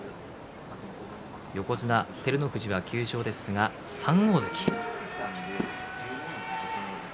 横綱照ノ富士は休場ですが３大関。